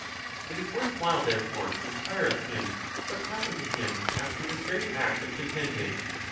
It is worth while, therefore, to inquire of him, what happened to him after this very act of contending.